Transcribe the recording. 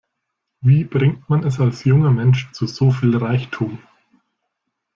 Wie bringt man es als junger Mensch zu so viel Reichtum?